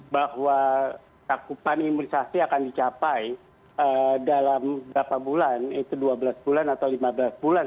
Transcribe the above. bahwa cakupan imunisasi akan dicapai dalam berapa bulan itu dua belas bulan atau lima belas bulan